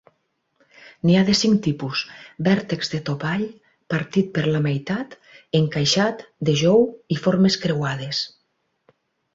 N'hi ha de cinc tipus, vèrtex de topall, partit per la meitat, encaixat, de jou y formes creuades.